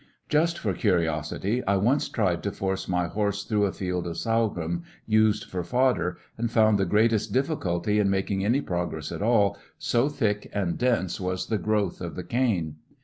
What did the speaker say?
Just for curiosity, I once tried to force my horse through a field of sorghum used for fodder, and found the greatest difficulty in making any progress at all, so thick and dense was the growth of the cane.